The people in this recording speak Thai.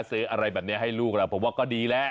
ซื้ออะไรแบบนี้ให้ลูกอ่ะผมว่าก็ดีและ